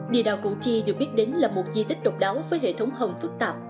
địa đạo củ chi được biết đến là một di tích độc đáo với hệ thống hồng phức tạp